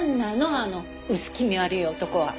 あの薄気味悪い男は。